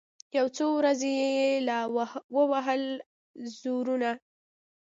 یو څو ورځي یې لا ووهل زورونه